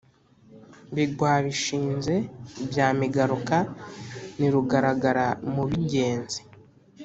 Bigwabishinze bya Migaruka ni Rugaragara-mu-b’ingenzi